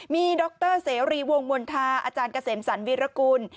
ดรเสรีวงมณฑาอาจารย์เกษมสรรวิรกุล